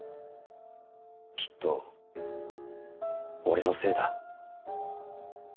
「きっと俺のせいだ」